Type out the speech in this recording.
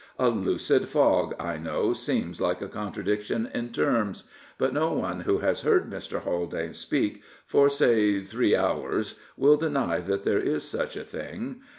A lucid fog, I know, seems like a contradiction in terms; but no one who has heard Mr. Haldane speak for, say, three hours will deny that there is such a thing.